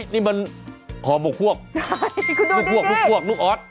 เนี่ยมันหอมโอกป่วกโอกป่วกลูกออส